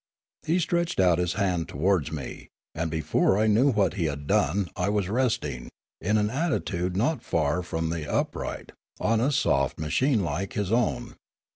He stretched out his hand towards me, and before I knew what he had done I was resting, in an attitude not far from the upright, on a soft ma chine like his own.